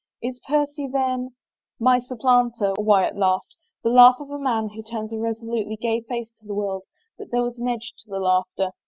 " Is Percy then —"" My supplanter !" Wyatt laughed — the laugh of a man who turns a resolutely gay face to the world, but there was an edge to the laughter.